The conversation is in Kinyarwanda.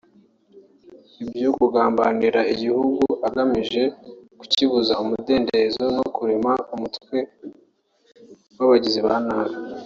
ibyo kugambanira igihugu agamije kukibuza umudendezo no kurema umutwe w’abagizi ba nabi